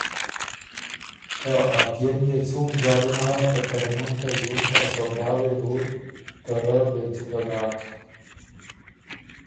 که ا پئے م يې څُون ظالُم هۀ که ترمُن ته ݫوُند ا سودا وې بو ته رۀ بې څُټه داک۔